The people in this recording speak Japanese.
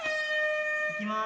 いきます。